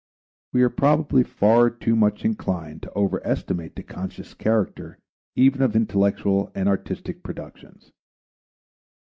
We are probably far too much inclined to over estimate the conscious character even of intellectual and artistic productions.